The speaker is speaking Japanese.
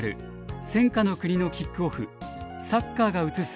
「戦禍の国のキックオフサッカーが映す